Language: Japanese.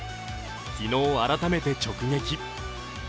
昨日、改めて直撃。